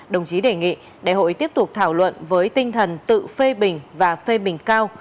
đồng chí đề nghị đại hội tiếp tục thảo luận với tinh thần tự phê bình và phê bình cao